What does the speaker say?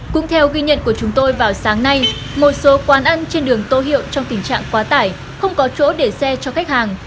cũng theo ghi nhận của chúng tôi vào sáng nay một số quán ăn trên đường tô hiệu trong tình trạng quá tải không có chỗ để xe cho khách hàng